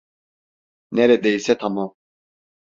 Neredeyse tamam.